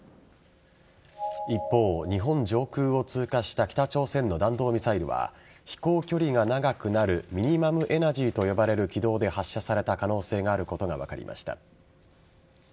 一方、日本上空を通過した北朝鮮の弾道ミサイルは飛行距離が長くなるミニマムエナジーと呼ばれる軌道で発射された可能性があることが分かりました。